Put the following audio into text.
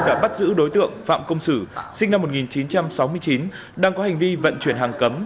đã bắt giữ đối tượng phạm công sử sinh năm một nghìn chín trăm sáu mươi chín đang có hành vi vận chuyển hàng cấm